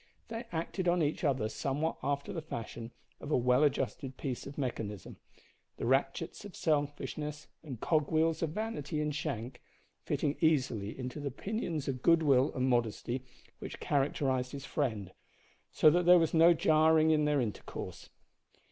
They acted on each other somewhat after the fashion of a well adjusted piece of mechanism, the ratchets of selfishness and cog wheels of vanity in Shank fitting easily into the pinions of good will and modesty which characterised his friend, so that there was no jarring in their intercourse.